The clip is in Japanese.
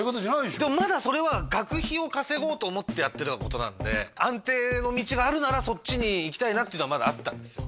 でもまだそれは学費を稼ごうと思ってやってたことなんで安定の道があるならそっちに行きたいなっていうのはまだあったんですよ